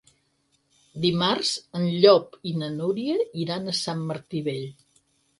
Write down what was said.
Dimarts en Llop i na Núria iran a Sant Martí Vell.